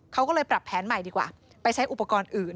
เขาก็เลยปรับแผนใหม่ดีกว่าไปใช้อุปกรณ์อื่น